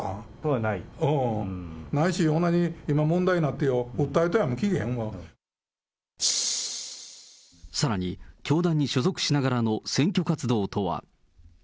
ないし、そんなに、今問題になってる、さらに、教団に所属しながらの選挙活動とは。